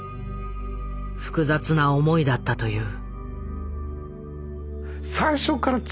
複雑な思いだったという。